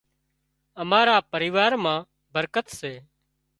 امارا پريوا مان برڪت سي